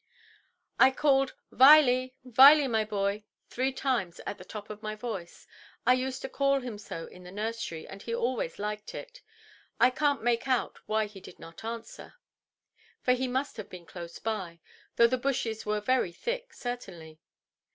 "I called, 'Viley, Viley, my boy!' three times, at the top of my voice. I used to call him so in the nursery, and he always liked it. I canʼt make out why he did not answer, for he must have been close by—though the bushes were very thick, certainly.